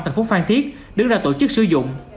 thành phố phan thiết đứng ra tổ chức sử dụng